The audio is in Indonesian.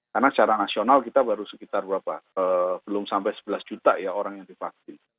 karena secara nasional kita baru sekitar berapa belum sampai sebelas juta ya orang yang divaksin